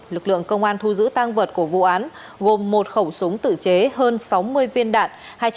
lực lượng công an thu giữ tang vật của vụ án gồm một khẩu súng tự chế hơn sáu mươi viên đạn